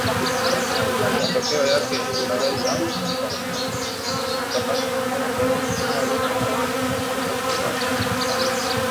matokeo yake unaweza ukapata magonjwa ya moyo lakini unapofanya mazoezi